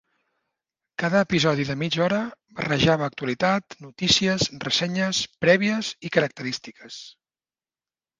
Cada episodi de mitja hora barrejava actualitat, notícies, ressenyes, prèvies i característiques.